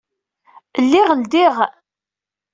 Lliɣ ledyeɣ.